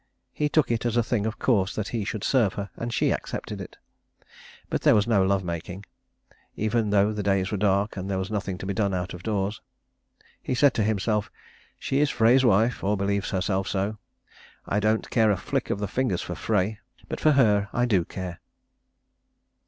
He took it as a thing of course that he should serve her, and she accepted it. But there was no love making, even though the days were dark, and there was nothing to be done out of doors. He said to himself, "She is Frey's wife, or believes herself so. I don't care a flick of the fingers for Frey, but for her I do care."